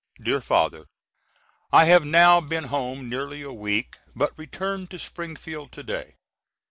DEAR FATHER: I have now been home nearly a week, but return to Springfield to day.